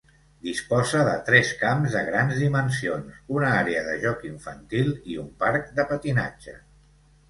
Disposa de tres camps de grans dimensions, una àrea de joc infantil i un parc de patinatge.